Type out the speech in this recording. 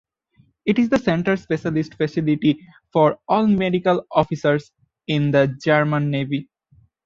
It is the central specialist facility for all medical officers in the German Navy.